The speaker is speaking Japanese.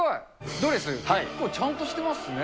ドレス、結構ちゃんとしてますね。